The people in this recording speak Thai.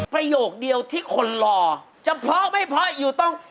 ประโยคเดียวที่คนรอจะเพราะไม่เพราะอยู่ต้อง